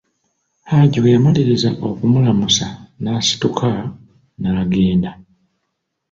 Haji bwe yamaliriza okumulamusa n'asituka naagenda.